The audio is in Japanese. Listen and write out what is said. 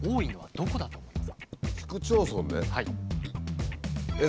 どこだと思います？